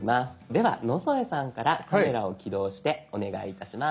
では野添さんから「カメラ」を起動してお願いいたします。